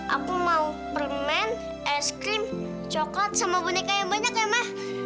aku mau permen es krim coklat sama boneka yang banyak ya mak